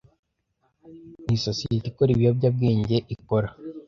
Nisosiyete ikora ibiyobyabwenge ikora